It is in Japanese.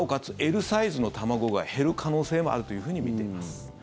Ｌサイズの卵が減る可能性もあるというふうに見ています。